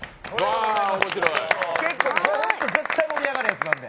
これは絶対盛り上がるやつなんで。